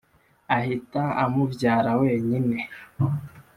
Ahita amubyara wenyine.